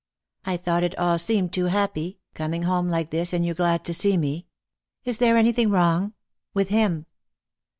" I thought it all seemed too happy, coming home like this and you so glad to see me ! Is there anything wrong — with him